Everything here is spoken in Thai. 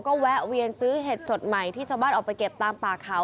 ก็แวะเวียนซื้อเห็ดสดใหม่ที่ชาวบ้านออกไปเก็บตามป่าเขา